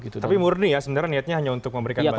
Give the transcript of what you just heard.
tapi murni ya sebenarnya niatnya hanya untuk memberikan bantuan